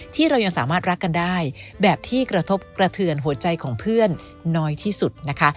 ที่เรายังสามารถรักกันได้แบบที่กระทบกระเทือนหัวใจของเพื่อนน้อยที่สุดนะคะ